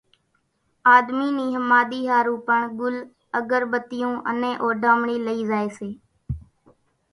آۮمِي نِي ۿماۮِي ۿارُو پڻ ڳل، اڳر ٻتيون انين اوڍامڻي لئي زائي سي۔